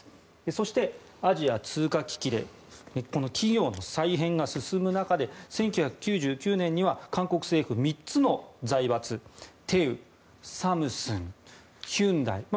そして、アジア通貨危機で企業の再編が進む中で、１９９９年には韓国政府、３つの財閥テウ、サムスン、ヒュンダイ。